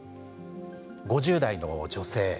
５０代の女性。